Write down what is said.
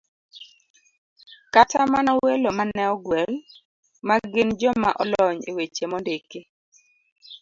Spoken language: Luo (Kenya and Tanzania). Kata mana welo ma ne ogwel, ma gin joma olony e weche mondiki